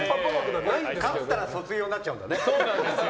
勝ったら卒業になっちゃうんだね。